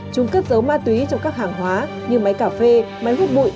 chúng cất giấu ma túy trong các hàng hóa như máy cà phê máy hút bụi